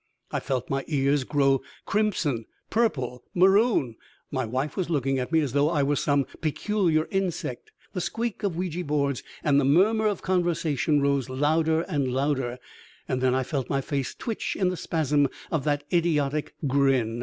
I felt my ears grow crimson, purple, maroon. My wife was looking at me as though I were some peculiar insect. The squeak of Ouija boards and the murmur of conversation rose louder and louder, and then I felt my face twitch in the spasm of that idiotic grin.